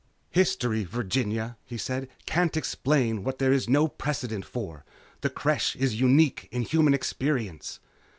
_ "History, Virginia," he said, "can't explain what there is no precedent for. The Creche is unique in human experience."